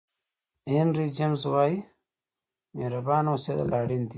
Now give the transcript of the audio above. هینري جمیز وایي مهربانه اوسېدل اړین دي.